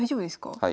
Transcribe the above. はい。